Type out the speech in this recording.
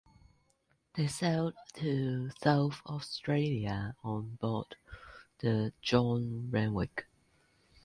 They sailed to South Australia on board the John Renwick.